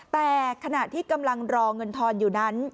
แต่ขณะที่กำลังรอเงินทอนอยู่นั้น